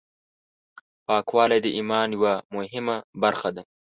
پاکوالی د ایمان یوه مهمه برخه ده.